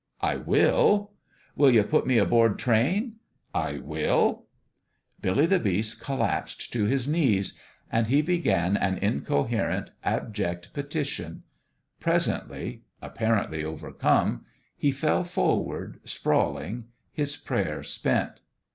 " I will !"" Will ye put me aboard train ?"" I will !" BOUND THROUGH 283 Billy the Beast collapsed to his knees ; and he began an incoherent, abject petition. Presently apparently overcome he fell forward sprawl ing, his prayer spent.